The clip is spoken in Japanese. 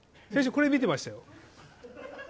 先週、これ見てましたよ。